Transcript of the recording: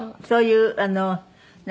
「そういう何？」